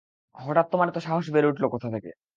হঠাৎ তোমার এত সাহস বেড়ে উঠল কোথা থেকে?